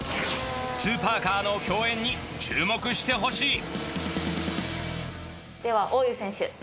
スーパーカーの競演に注目してほしいでは大湯選手。